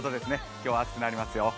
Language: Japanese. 今日は暑くなりますよ。